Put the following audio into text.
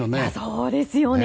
そうですよね。